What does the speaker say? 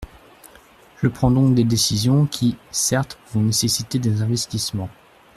Je prends donc des décisions qui, certes, vont nécessiter des investissements.